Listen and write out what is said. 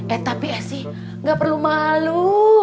eh tapi esih nggak perlu malu